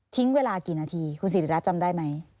เวลากี่นาทีคุณศิริรัตน์จำได้ไหม